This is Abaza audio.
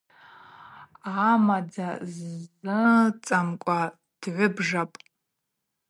Амадза ззыцӏамкӏуа дгӏвыбжапӏ.